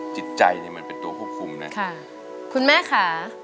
จิตใจเนี่ยมันเป็นตัวควบคุมนะค่ะคุณแม่ค่ะ